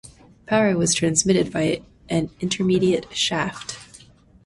Power was transmitted via an intermediate shaft.